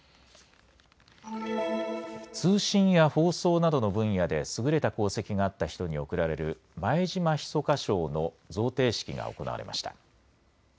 通信や放送などの分野で優れた功績があった人に贈られる、前島密賞の贈呈式が行われました。